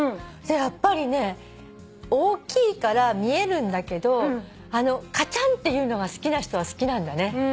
やっぱりね大きいから見えるんだけどあのカチャンっていうのが好きな人は好きなんだね。